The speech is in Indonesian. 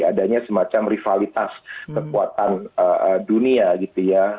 adanya semacam rivalitas kekuatan dunia gitu ya